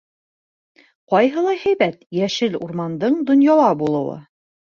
Ҡайһылай һәйбәт йәшел урмандың донъяла булыуы!